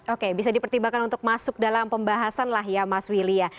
oke bisa dipertimbangkan untuk masuk dalam pembahasan lah ya mas willy ya